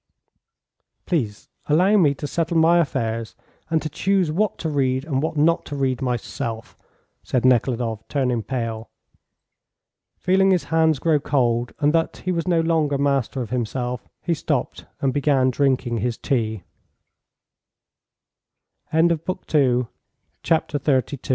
"Please allow me to settle my affairs, and to choose what to read and what not to read, myself," said Nekhludoff, turning pale. Feeling his hands grow cold, and that he was no longer master of himself, he stopped, and began drinki